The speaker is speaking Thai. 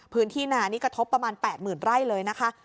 พื้นที่นานี่กระทบประมาณ๘๐๐๐ไร่เลยนะคะ